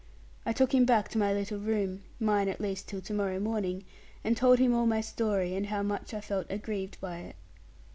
I took him back to my little room mine at least till to morrow morning and told him all my story, and how much I felt aggrieved by it.